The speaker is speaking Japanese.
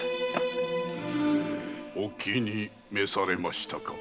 お気に召されましたか？